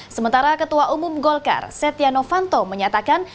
sementara ketua umum golkar setia novanto menyatakan